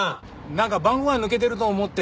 なんか番号が抜けてると思って。